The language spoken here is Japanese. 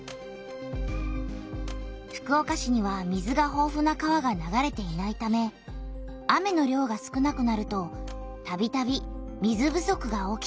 福岡市には水がほうふな川が流れていないため雨の量が少なくなるとたびたび水不足が起きていた。